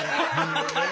ハハハッ！